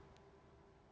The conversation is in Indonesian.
tidak menggunakan masker